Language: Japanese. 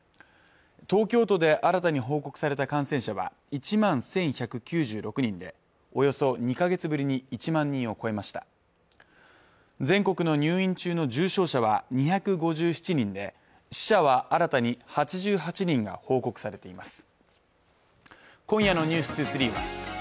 東京都で新たに報告された感染者は１万１１９６人でおよそ２か月ぶりに１万人を超えました全国の入院中の重症者は２５７人で死者は新たに８８人が報告されています